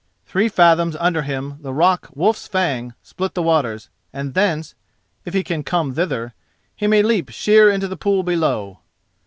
Three fathoms under him the rock Wolf's Fang split the waters, and thence, if he can come thither, he may leap sheer into the pool below.